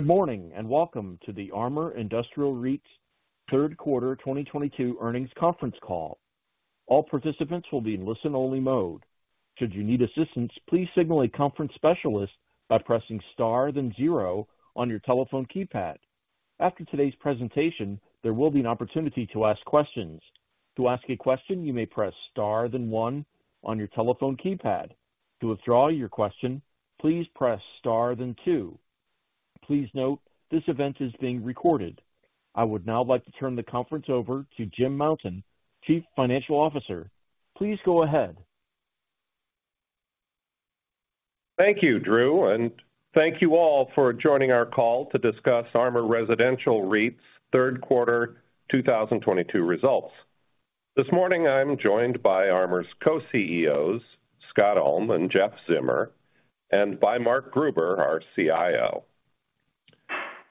Good morning, and welcome to the ARMOUR Residential REIT's third quarter 2022 earnings conference call. All participants will be in listen-only mode. Should you need assistance, please signal a conference specialist by pressing Star, then zero on your telephone keypad. After today's presentation, there will be an opportunity to ask questions. To ask a question, you may press Star then one on your telephone keypad. To withdraw your question, please press Star then two. Please note, this event is being recorded. I would now like to turn the conference over to Jim Mountain, Chief Financial Officer. Please go ahead. Thank you, Drew, and thank you all for joining our call to discuss ARMOUR Residential REIT's third quarter 2022 results. This morning, I'm joined by ARMOUR's co-CEOs, Scott Ulm and Jeffrey Zimmer, and by Mark Gruber, our CIO.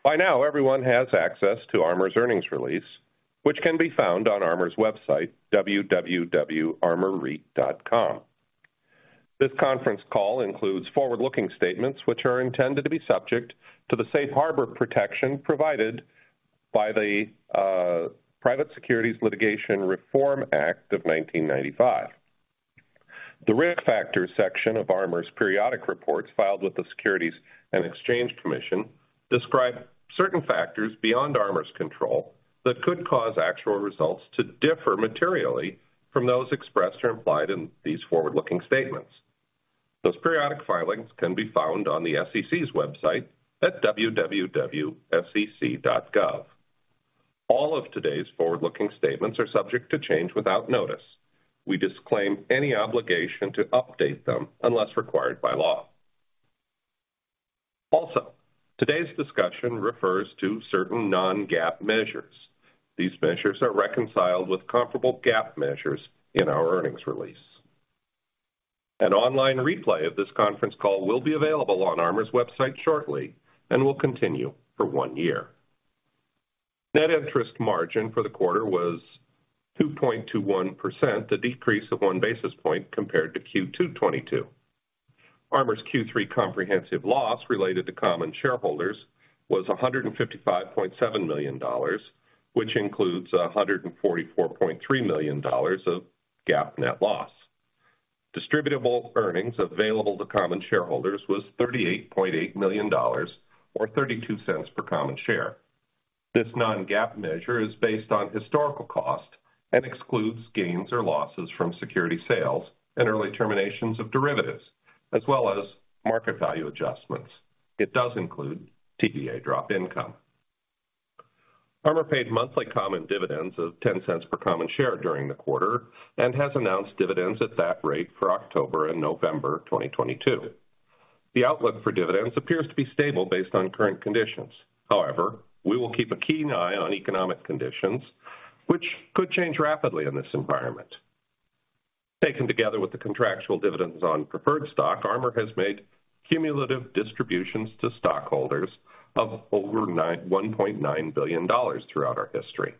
By now, everyone has access to ARMOUR's earnings release, which can be found on ARMOUR's website, www.armorreit.com. This conference call includes forward-looking statements, which are intended to be subject to the safe harbor protection provided by the Private Securities Litigation Reform Act of 1995. The Risk Factors section of ARMOUR's periodic reports filed with the Securities and Exchange Commission describe certain factors beyond ARMOUR's control that could cause actual results to differ materially from those expressed or implied in these forward-looking statements. Those periodic filings can be found on the SEC's website at www.sec.gov. All of today's forward-looking statements are subject to change without notice. We disclaim any obligation to update them unless required by law. Also, today's discussion refers to certain non-GAAP measures. These measures are reconciled with comparable GAAP measures in our earnings release. An online replay of this conference call will be available on ARMOUR's website shortly and will continue for one year. Net interest margin for the quarter was 2.21%, a decrease of one basis point compared to Q2 2022. ARMOUR's Q3 comprehensive loss related to common shareholders was $155.7 million, which includes $144.3 million of GAAP net loss. Distributable earnings available to common shareholders was $38.8 million or $0.32 per common share. This non-GAAP measure is based on historical cost and excludes gains or losses from security sales and early terminations of derivatives, as well as market value adjustments. It does include TBA drop income. ARMOUR paid monthly common dividends of $0.10 per common share during the quarter and has announced dividends at that rate for October and November 2022. The outlook for dividends appears to be stable based on current conditions. However, we will keep a keen eye on economic conditions which could change rapidly in this environment. Taken together with the contractual dividends on preferred stock, ARMOUR has made cumulative distributions to stockholders of over $1.9 billion throughout our history.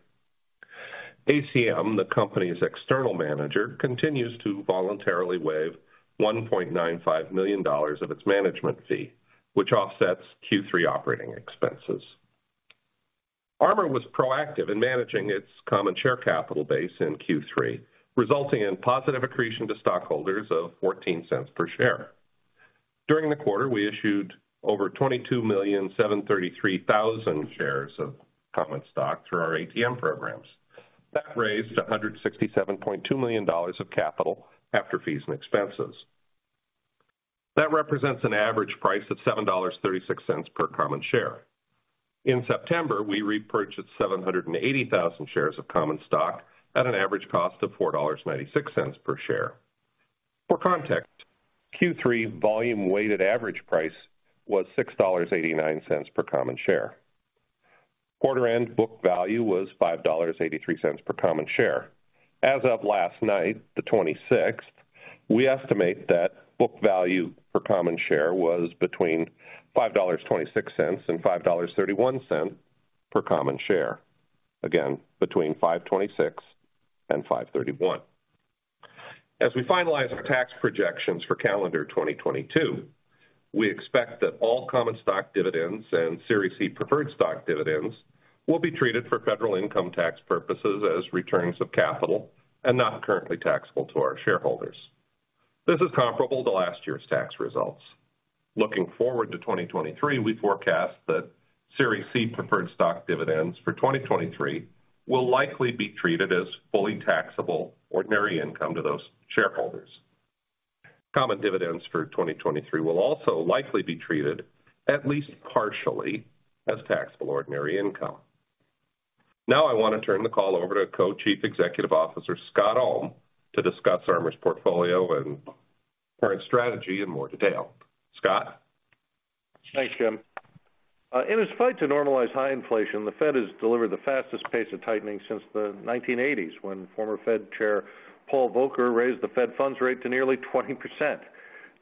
ACM, the company's external manager, continues to voluntarily waive $1.95 million of its management fee, which offsets Q3 operating expenses. ARMOUR was proactive in managing its common share capital base in Q3, resulting in positive accretion to stockholders of $0.14 per share. During the quarter, we issued over 22,733,000 shares of common stock through our ATM programs. That raised $167.2 million of capital after fees and expenses. That represents an average price of $7.36 per common share. In September, we repurchased 780,000 shares of common stock at an average cost of $4.96 per share. For context, Q3 volume-weighted average price was $6.89 per common share. Quarter end book value was $5.83 per common share. As of last night, the twenty-sixth, we estimate that book value per common share was between $5.26 and $5.31 per common share. Again, between $5.26 and $5.31. As we finalize our tax projections for calendar 2022, we expect that all common stock dividends and Series C preferred stock dividends will be treated for federal income tax purposes as returns of capital and not currently taxable to our shareholders. This is comparable to last year's tax results. Looking forward to 2023, we forecast that Series C preferred stock dividends for 2023 will likely be treated as fully taxable ordinary income to those shareholders. Common dividends for 2023 will also likely be treated at least partially as taxable ordinary income. Now I want to turn the call over to Co-Chief Executive Officer Scott Ulm to discuss ARMOUR's portfolio and current strategy in more detail. Scott? Thanks, Jim. In its fight to normalize high inflation, the Fed has delivered the fastest pace of tightening since the 1980s, when former Fed Chair Paul Volcker raised the Fed funds rate to nearly 20%.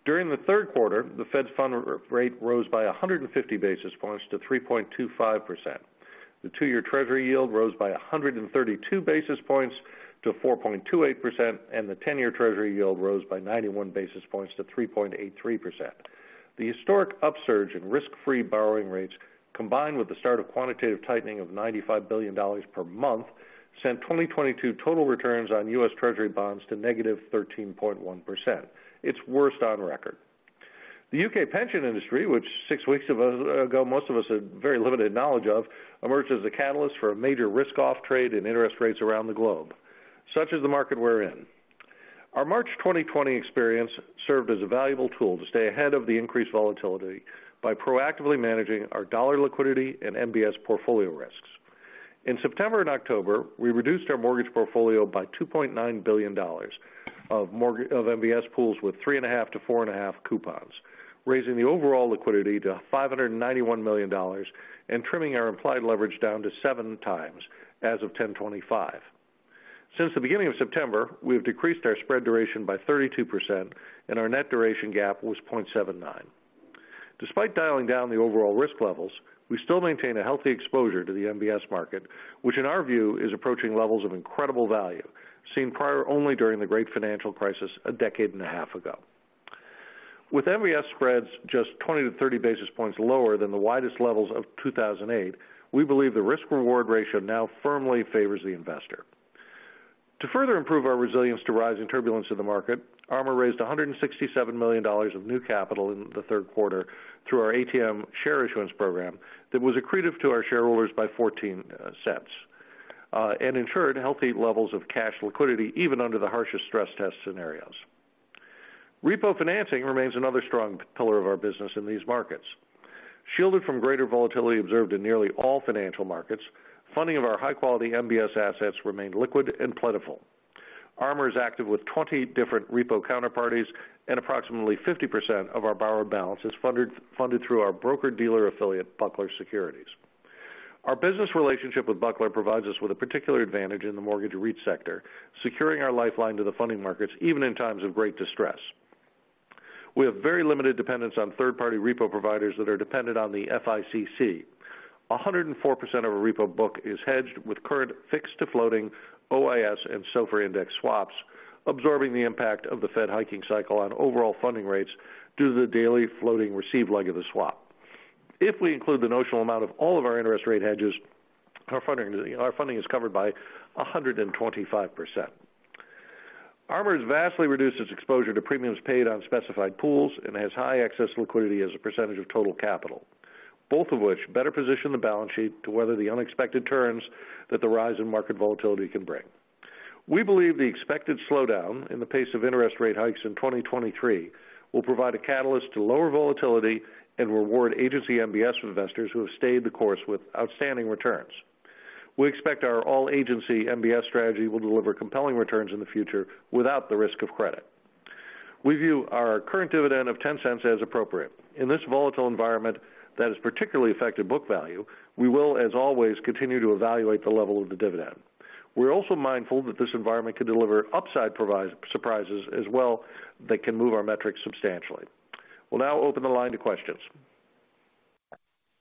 During the third quarter, the Fed funds rate rose by 150 basis points to 3.25%. The two-year treasury yield rose by 132 basis points to 4.28%, and the ten-year treasury yield rose by 91 basis points to 3.83%. The historic upsurge in risk-free borrowing rates, combined with the start of quantitative tightening of $95 billion per month, sent 2022 total returns on U.S. Treasury bonds to -13.1%. It's worst on record. The U.K. pension industry, which six weeks ago most of us had very limited knowledge of, emerged as a catalyst for a major risk-off trade in interest rates around the globe. Such is the market we're in. Our March 2020 experience served as a valuable tool to stay ahead of the increased volatility by proactively managing our dollar liquidity and MBS portfolio risks. In September and October, we reduced our mortgage portfolio by $2.9 billion of MBS pools with 3.5-4.5 coupons, raising the overall liquidity to $591 million and trimming our implied leverage down to 7x as of 10/25. Since the beginning of September, we have decreased our spread duration by 32%, and our net duration gap was 0.79. Despite dialing down the overall risk levels, we still maintain a healthy exposure to the MBS market, which in our view, is approaching levels of incredible value seen prior only during the great financial crisis a decade and a half ago. With MBS spreads just 20-30 basis points lower than the widest levels of 2008, we believe the risk reward ratio now firmly favors the investor. To further improve our resilience to rising turbulence in the market, ARMOUR raised $167 million of new capital in the third quarter through our ATM share issuance program that was accretive to our shareholders by $0.14, and ensured healthy levels of cash liquidity even under the harshest stress test scenarios. Repo financing remains another strong pillar of our business in these markets. Shielded from greater volatility observed in nearly all financial markets, funding of our high-quality MBS assets remained liquid and plentiful. ARMOUR is active with 20 different repo counterparties and approximately 50% of our borrower balance is funded through our broker-dealer affiliate, BUCKLER Securities. Our business relationship with Buckler provides us with a particular advantage in the mortgage REIT sector, securing our lifeline to the funding markets even in times of great distress. We have very limited dependence on third-party repo providers that are dependent on the FICC. 104% of our repo book is hedged with current fixed to floating OIS and SOFR index swaps, absorbing the impact of the Fed hiking cycle on overall funding rates due to the daily floating receive leg of the swap. If we include the notional amount of all of our interest rate hedges, our funding is covered by 125%. ARMOUR has vastly reduced its exposure to premiums paid on specified pools and has high excess liquidity as a percentage of total capital, both of which better position the balance sheet to weather the unexpected turns that the rise in market volatility can bring. We believe the expected slowdown in the pace of interest rate hikes in 2023 will provide a catalyst to lower volatility and reward agency MBS investors who have stayed the course with outstanding returns. We expect our all-agency MBS strategy will deliver compelling returns in the future without the risk of credit. We view our current dividend of $0.10 as appropriate. In this volatile environment that has particularly affected book value, we will, as always, continue to evaluate the level of the dividend. We're also mindful that this environment could deliver upside surprises as well that can move our metrics substantially. We'll now open the line to questions.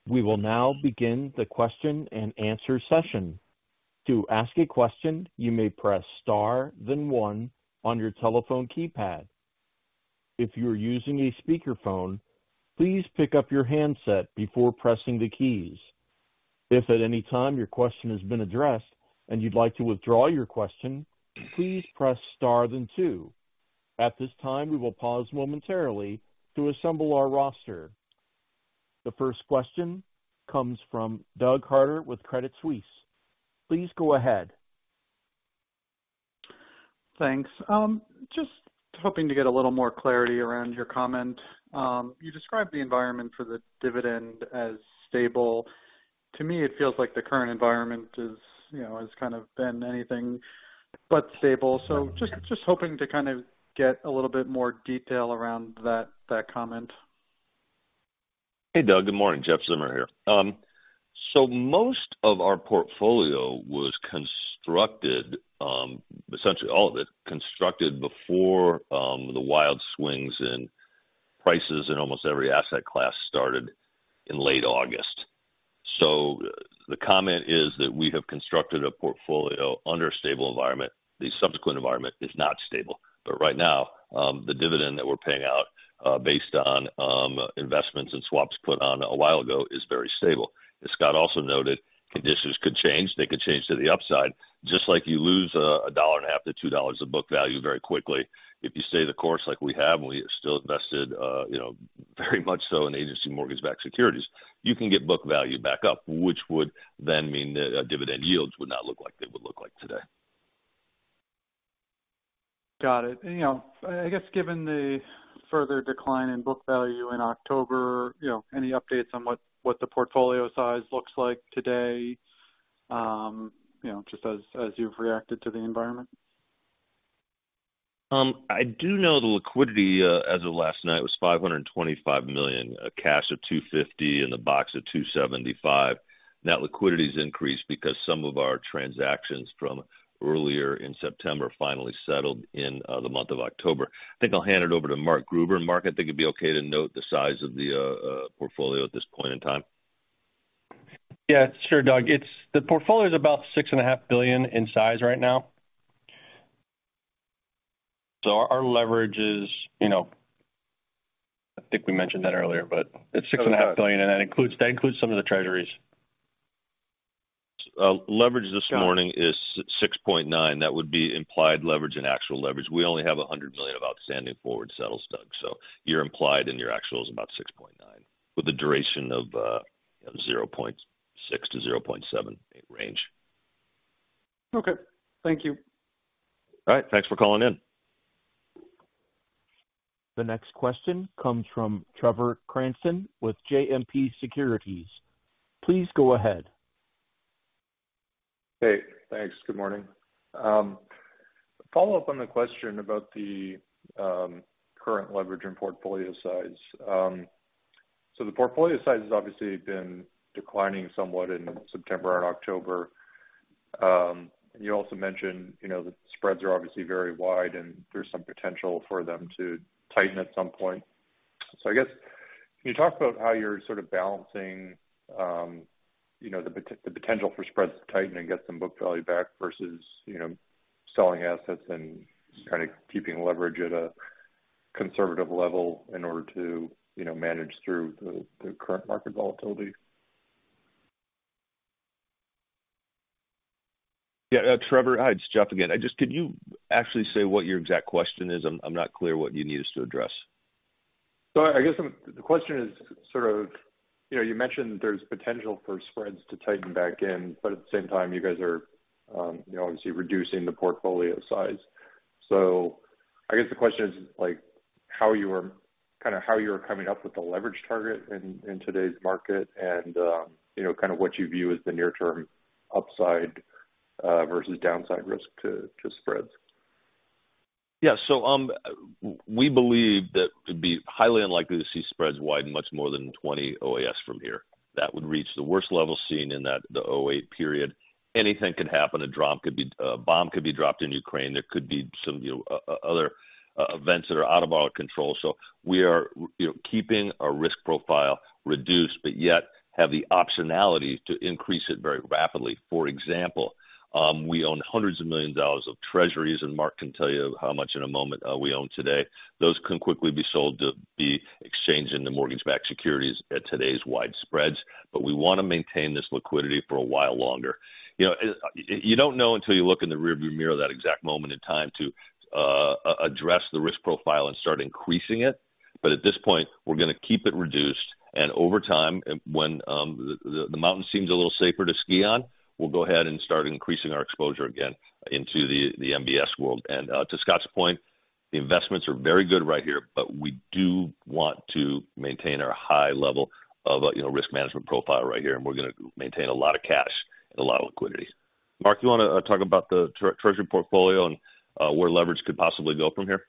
We will now begin the question and answer session. To ask a question, you may press Star, then one on your telephone keypad. If you are using a speakerphone, please pick up your handset before pressing the keys. If at any time your question has been addressed and you'd like to withdraw your question, please press Star then two. At this time, we will pause momentarily to assemble our roster. The first question comes from Douglas Harter with Credit Suisse. Please go ahead. Thanks. Just hoping to get a little more clarity around your comment. You described the environment for the dividend as stable. To me, it feels like the current environment is, you know, has kind of been anything but stable. Just hoping to kind of get a little bit more detail around that comment. Hey, Doug. Good morning. Jeffrey Zimmer here. Most of our portfolio was constructed, essentially all of it constructed before the wild swings in prices in almost every asset class started in late August. The comment is that we have constructed a portfolio under a stable environment. The subsequent environment is not stable. Right now, the dividend that we're paying out, based on investments and swaps put on a while ago is very stable. As Scott also noted, conditions could change. They could change to the upside. Just like you lose $1.50-$2 of book value very quickly. If you stay the course like we have, and we still invested, you know, very much so in agency mortgage-backed securities, you can get book value back up, which would then mean that dividend yields would not look like they would look like today. Got it. You know, I guess given the further decline in book value in October, you know, any updates on what the portfolio size looks like today? You know, just as you've reacted to the environment. I do know the liquidity as of last night was $525 million, cash of $250 million and the box of $275 million. Net liquidity has increased because some of our transactions from earlier in September finally settled in the month of October. I think I'll hand it over to Mark Gruber. Mark, I think it'd be okay to note the size of the portfolio at this point in time. Yeah, sure, Doug. It's the portfolio is about $6.5 billion in size right now. Our leverage is, you know, I think we mentioned that earlier, but it's $6.5 billion, and that includes some of the treasuries. Leverage this morning is 6.9. That would be implied leverage and actual leverage. We only have $100 million of outstanding forward settle stock. So your implied and your actual is about 6.9, with a duration of, you know, 0.6-0.7 range. Okay, thank you. All right. Thanks for calling in. The next question comes from Trevor Cranston with JMP Securities. Please go ahead. Hey, thanks. Good morning. A follow-up on the question about the current leverage and portfolio size. The portfolio size has obviously been declining somewhat in September and October. You also mentioned, you know, the spreads are obviously very wide and there's some potential for them to tighten at some point. I guess, can you talk about how you're sort of balancing, you know, the potential for spreads to tighten and get some book value back versus, you know, selling assets and kind of keeping leverage at a conservative level in order to, you know, manage through the current market volatility. Yeah, Trevor, hi, it's Jeff again. Can you actually say what your exact question is? I'm not clear what you need us to address. I guess the question is sort of, you know, you mentioned there's potential for spreads to tighten back in, but at the same time, you guys are, you know, obviously reducing the portfolio size. I guess the question is like kinda how you're coming up with the leverage target in today's market and, you know, kind of what you view as the near term upside versus downside risk to spreads. Yeah. We believe that it'd be highly unlikely to see spreads widen much more than 20 OAS from here. That would reach the worst level seen in the 2008 period. Anything can happen. A bomb could be dropped in Ukraine. There could be some, you know, other events that are out of our control. We are, you know, keeping our risk profile reduced, but yet have the optionality to increase it very rapidly. For example, we own $hundreds of millions of treasuries, and Mark can tell you how much in a moment we own today. Those can quickly be sold to be exchanged into mortgage-backed securities at today's wide spreads. We wanna maintain this liquidity for a while longer. You know, you don't know until you look in the rear view mirror that exact moment in time to address the risk profile and start increasing it. At this point, we're gonna keep it reduced. Over time, when the mountain seems a little safer to ski on, we'll go ahead and start increasing our exposure again into the MBS world. To Scott's point, the investments are very good right here, but we do want to maintain our high level of, you know, risk management profile right here, and we're gonna maintain a lot of cash and a lot of liquidity. Mark, you wanna talk about the Treasury portfolio and where leverage could possibly go from here?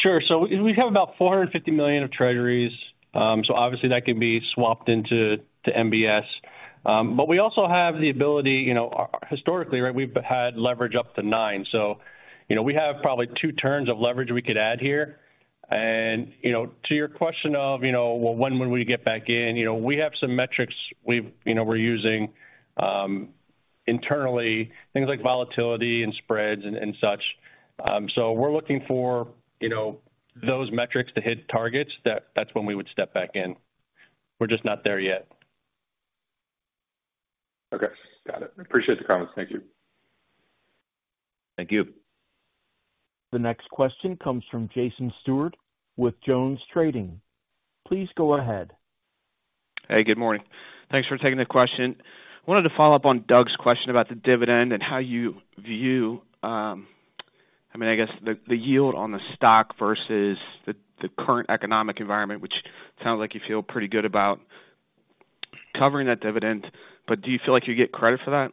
Sure. We have about $450 million of treasuries. Obviously that can be swapped into MBS. We also have the ability, you know, historically, right, we've had leverage up to nine. You know, we have probably two turns of leverage we could add here. You know, to your question of, you know, well, when will we get back in? You know, we have some metrics we've, you know, we're using internally, things like volatility and spreads and such. We're looking for, you know, those metrics to hit targets. That's when we would step back in. We're just not there yet. Okay. Got it. I appreciate the comments. Thank you. Thank you. The next question comes from Jason Stewart with Jones Trading. Please go ahead. Hey, good morning. Thanks for taking the question. Wanted to follow up on Doug's question about the dividend and how you view, I mean, I guess the yield on the stock versus the current economic environment, which sounds like you feel pretty good about covering that dividend, but do you feel like you get credit for that?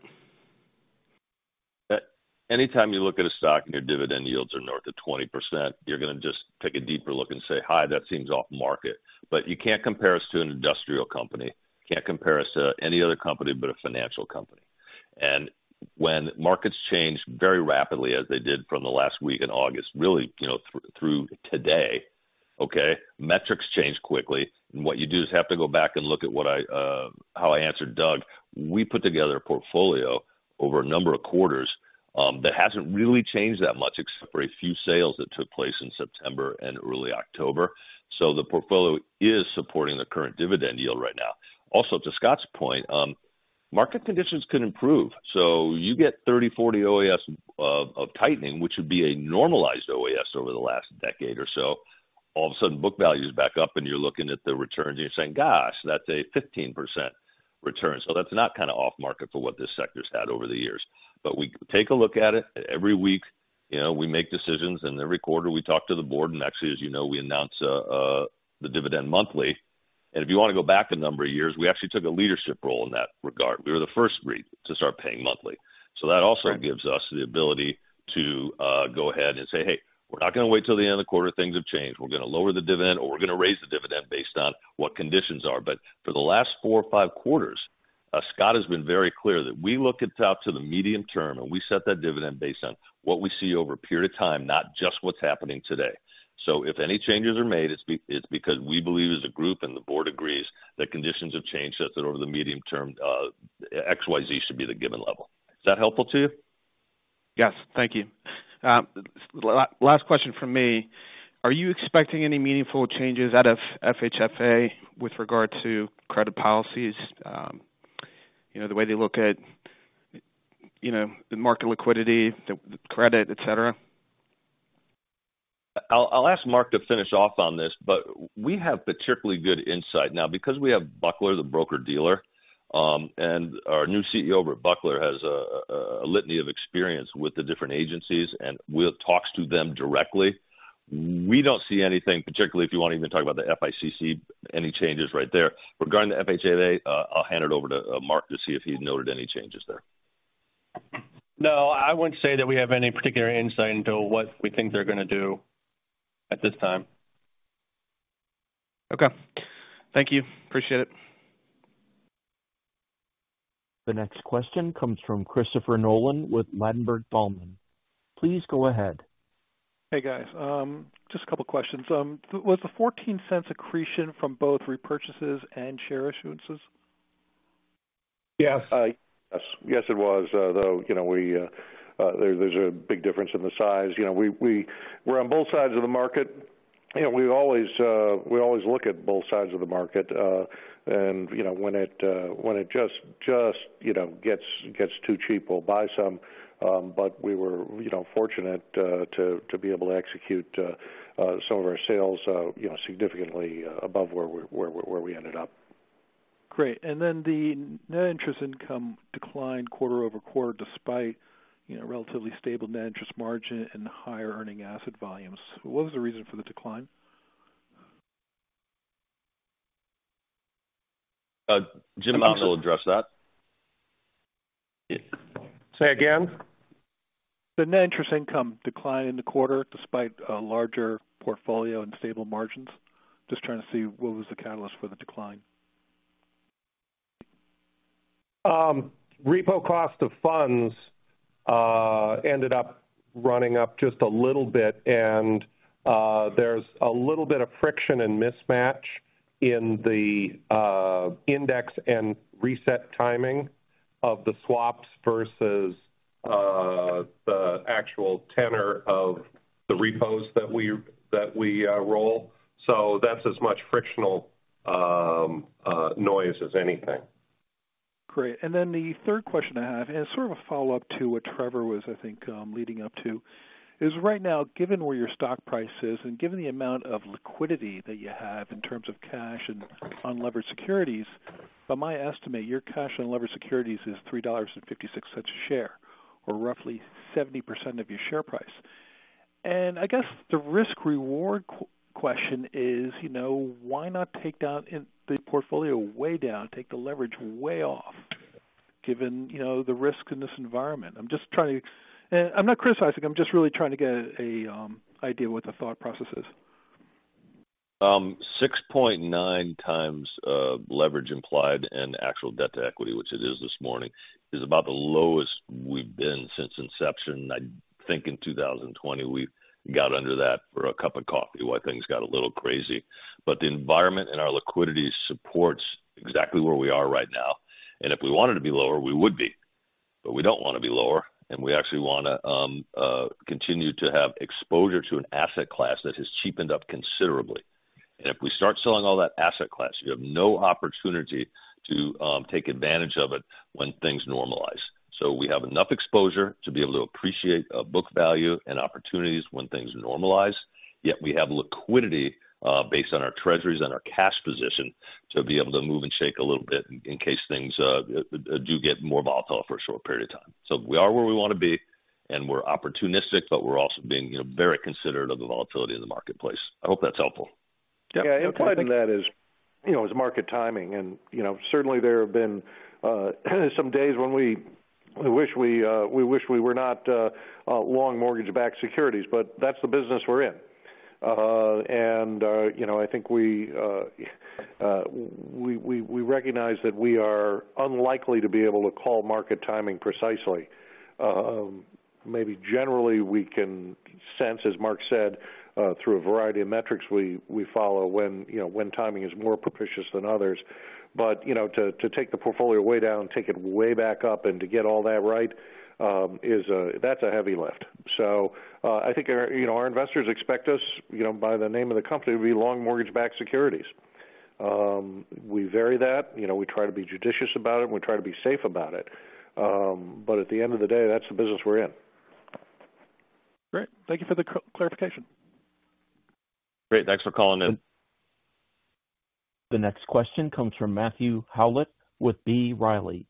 Anytime you look at a stock and your dividend yields are north of 20%, you're gonna just take a deeper look and say, "Hi, that seems off-market." You can't compare us to an industrial company. You can't compare us to any other company but a financial company. When markets change very rapidly as they did from the last week in August, really, you know, through today, okay, metrics change quickly. What you do is have to go back and look at what I, how I answered Doug. We put together a portfolio over a number of quarters, that hasn't really changed that much except for a few sales that took place in September and early October. The portfolio is supporting the current dividend yield right now. Also, to Scott's point, market conditions could improve. You get 30, 40 OAS of tightening, which would be a normalized OAS over the last decade or so. All of a sudden book value is back up and you're looking at the returns and you're saying, "Gosh, that's a 15% return." That's not kind of off-market for what this sector's had over the years. We take a look at it every week. You know, we make decisions and every quarter we talk to the board. Actually, as you know, we announce the dividend monthly. If you want to go back a number of years, we actually took a leadership role in that regard. We were the first REIT to start paying monthly. That also gives us the ability to go ahead and say, "Hey, we're not gonna wait till the end of the quarter. Things have changed. We're gonna lower the dividend, or we're gonna raise the dividend based on what conditions are." For the last 4 or 5 quarters, Scott has been very clear that we look out to the medium term, and we set that dividend based on what we see over a period of time, not just what's happening today. If any changes are made, it's because we believe as a group, and the board agrees that conditions have changed such that over the medium term, X, Y, Z should be the given level. Is that helpful to you? Yes. Thank you. Last question from me. Are you expecting any meaningful changes out of FHFA with regard to credit policies? You know, the way they look at, you know, the market liquidity, the credit, et cetera. I'll ask Mark to finish off on this, but we have particularly good insight now because we have BUCKLER, the broker-dealer, and our new CEO over at BUCKLER has a litany of experience with the different agencies, and talks to them directly. We don't see anything, particularly if you want to even talk about the FICC, any changes right there. Regarding the FHFA, I'll hand it over to Mark to see if he's noted any changes there. No, I wouldn't say that we have any particular insight into what we think they're gonna do at this time. Okay. Thank you. Appreciate it. The next question comes from Christopher Nolan with Ladenburg Thalmann. Please go ahead. Hey, guys. Just a couple of questions. Was the $0.14 accretion from both repurchases and share issuances? Yes. Yes. Yes, it was. Though, you know, there's a big difference in the size. You know, we're on both sides of the market. You know, we always look at both sides of the market. You know, when it just, you know, gets too cheap, we'll buy some. But we were, you know, fortunate to be able to execute some of our sales, you know, significantly above where we ended up. Great. Then the net interest income declined quarter-over-quarter despite, you know, relatively stable net interest margin and higher earning asset volumes. What was the reason for the decline? Jim might as well address that. Say again. The net interest income declined in the quarter despite a larger portfolio and stable margins. Just trying to see what was the catalyst for the decline? Repo cost of funds ended up running up just a little bit, and there's a little bit of friction and mismatch in the index and reset timing of the swaps versus the actual tenor of the repos that we roll. That's as much frictional noise as anything. Great. Then the third question I have is sort of a follow-up to what Trevor was, I think, leading up to. Right now, given where your stock price is and given the amount of liquidity that you have in terms of cash and unlevered securities, by my estimate, your cash unlevered securities is $3.56 a share or roughly 70% of your share price. I guess the risk reward question is, you know, why not take down in the portfolio way down, take the leverage way off, given, you know, the risk in this environment. I'm just trying to. I'm not criticizing. I'm just really trying to get a idea what the thought process is. 6.9 times of leverage implied and actual debt to equity, which it is this morning, is about the lowest we've been since inception. I think in 2020, we got under that for a cup of coffee while things got a little crazy. The environment and our liquidity supports exactly where we are right now. If we wanted to be lower, we would be. We don't wanna be lower, and we actually wanna continue to have exposure to an asset class that has cheapened up considerably. If we start selling all that asset class, you have no opportunity to take advantage of it when things normalize. We have enough exposure to be able to appreciate, book value and opportunities when things normalize, yet we have liquidity, based on our treasuries and our cash position to be able to move and shake a little bit in case things, do get more volatile for a short period of time. We are where we wanna be, and we're opportunistic, but we're also being, you know, very considerate of the volatility in the marketplace. I hope that's helpful. Yeah. Yeah. Part of that is, you know, market timing. You know, certainly there have been some days when we wish we were not long mortgage-backed securities, but that's the business we're in. You know, I think we recognize that we are unlikely to be able to call market timing precisely. Maybe generally, we can sense, as Mark said, through a variety of metrics we follow when, you know, when timing is more propitious than others. You know, to take the portfolio way down, take it way back up, and to get all that right, that's a heavy lift. I think our, you know, our investors expect us, you know, by the name of the company, to be long mortgage-backed securities. We vary that. You know, we try to be judicious about it, and we try to be safe about it. At the end of the day, that's the business we're in. Great. Thank you for the clarification. Great. Thanks for calling in. The next question comes from Matthew Howlett with B. Riley.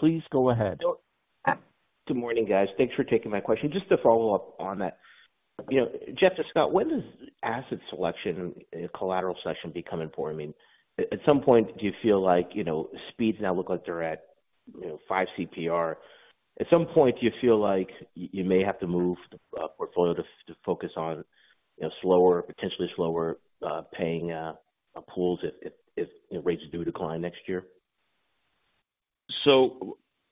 Please go ahead. Good morning, guys. Thanks for taking my question. Just to follow up on that. You know, Jeff or Scott, when does asset selection and collateral selection become important? At some point, do you feel like, you know, speeds now look like they're at, you know, 5 CPR. At some point, do you feel like you may have to move the portfolio to focus on, you know, slower, potentially slower paying pools if rates do decline next year?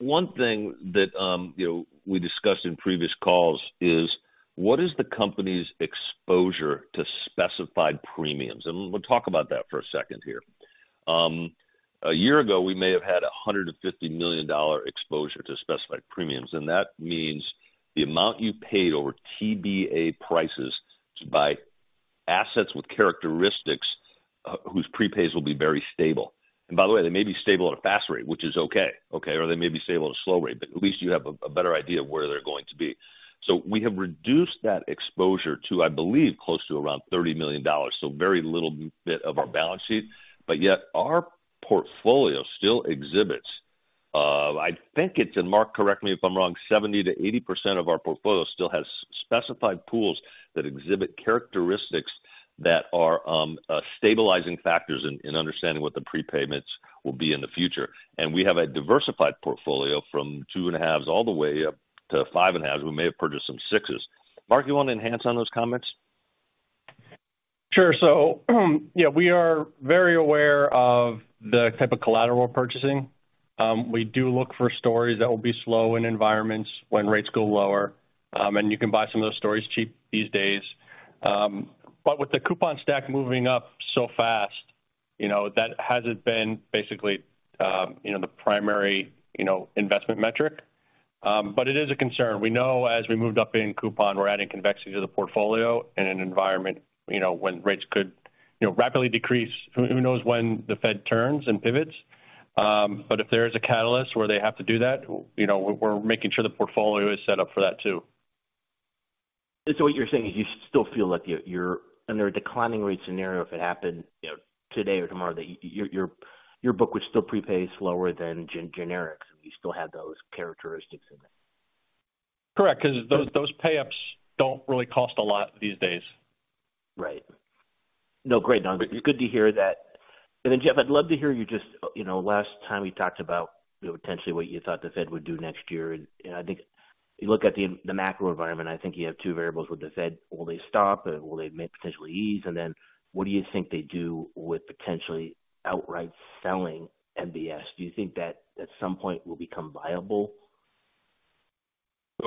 One thing that, you know, we discussed in previous calls is what is the company's exposure to specified premiums? We'll talk about that for a second here. A year ago, we may have had $150 million exposure to specified premiums, and that means the amount you paid over TBA prices to buy assets with characteristics whose prepays will be very stable. By the way, they may be stable at a fast rate, which is okay. Or they may be stable at a slow rate, but at least you have a better idea of where they're going to be. We have reduced that exposure to, I believe, close to around $30 million. Very little bit of our balance sheet, but yet our portfolio still exhibits, I think it's, and Mark, correct me if I'm wrong, 70%-80% of our portfolio still has specified pools that exhibit characteristics that are stabilizing factors in understanding what the prepayments will be in the future. We have a diversified portfolio from 2.5s all the way up to 5.5s. We may have purchased some 6s. Mark, you wanna enhance on those comments? Sure. Yeah, we are very aware of the type of collateral we're purchasing. We do look for stories that will be slow in environments when rates go lower. You can buy some of those stories cheap these days. But with the coupon stack moving up so fast, you know, that hasn't been basically, you know, the primary, you know, investment metric. But it is a concern. We know as we moved up in coupon, we're adding convexity to the portfolio in an environment, you know, when rates could, you know, rapidly decrease. Who knows when the Fed turns and pivots. But if there is a catalyst where they have to do that, you know, we're making sure the portfolio is set up for that too. What you're saying is you still feel that you're under a declining rate scenario if it happened, you know, today or tomorrow, that your book would still prepay slower than generics, and you still have those characteristics in there. Correct. 'Cause those payups don't really cost a lot these days. Right. No, great. No, it's good to hear that. Jeff, I'd love to hear you just, you know, last time we talked about, you know, potentially what you thought the Fed would do next year. I think you look at the macro environment, I think you have two variables with the Fed. Will they stop, and will they potentially ease? What do you think they do with potentially outright selling MBS? Do you think that at some point will become viable?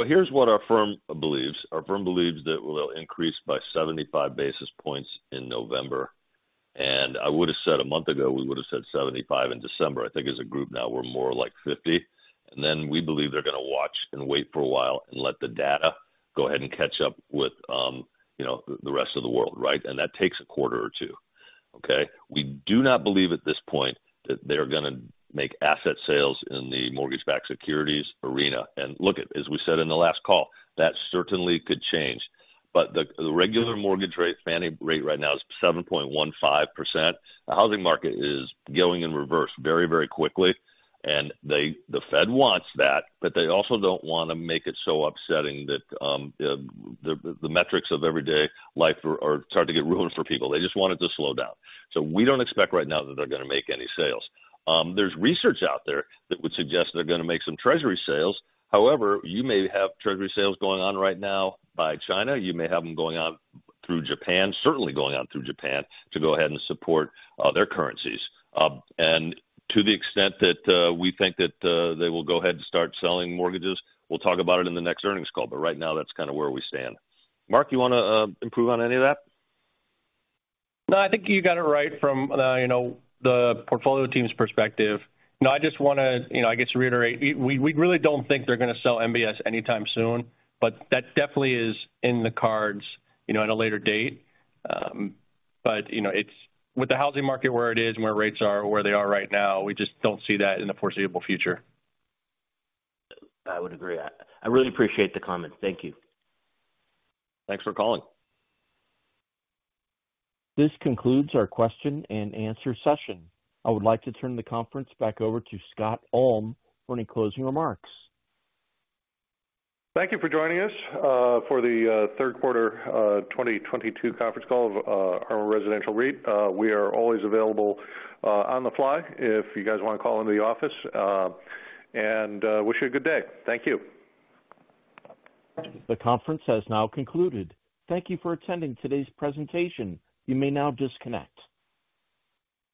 Here's what our firm believes. Our firm believes that we'll increase by 75 basis points in November. I would have said a month ago, we would have said 75 in December. I think as a group now we're more like 50. Then we believe they're gonna watch and wait for a while and let the data go ahead and catch up with, you know, the rest of the world, right? That takes a quarter or two. Okay? We do not believe at this point that they're gonna make asset sales in the mortgage-backed securities arena. Look at, as we said in the last call, that certainly could change. The regular mortgage rate, Fannie rate right now is 7.15%. The housing market is going in reverse very, very quickly, and the Fed wants that, but they also don't wanna make it so upsetting that the metrics of everyday life are starting to get ruined for people. They just want it to slow down. We don't expect right now that they're gonna make any sales. There's research out there that would suggest they're gonna make some Treasury sales. However, you may have Treasury sales going on right now by China. You may have them going out through Japan, certainly going out through Japan to go ahead and support their currencies. To the extent that we think that they will go ahead and start selling mortgages, we'll talk about it in the next earnings call. Right now that's kinda where we stand. Mark, you wanna improve on any of that? No, I think you got it right from, you know, the portfolio team's perspective. No, I just wanna, you know, I guess reiterate, we really don't think they're gonna sell MBS anytime soon, but that definitely is in the cards, you know, at a later date. You know, it's with the housing market where it is and where rates are where they are right now, we just don't see that in the foreseeable future. I would agree. I really appreciate the comment. Thank you. Thanks for calling. This concludes our question and answer session. I would like to turn the conference back over to Scott Ulm for any closing remarks. Thank you for joining us for the third quarter 2022 conference call of ARMOUR Residential REIT. We are always available on the fly if you guys wanna call into the office, and wish you a good day. Thank you. The conference has now concluded. Thank you for attending today's presentation. You may now disconnect.